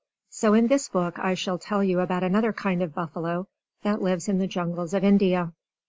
So in this book I shall tell you about another kind of buffalo, that lives in the jungles of India.